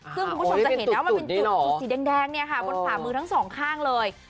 คุณผู้ชมจะเห็นแล้วว่ามันเป็นจุดสีแดงบนฝ่ามือทั้งสองข้างเลย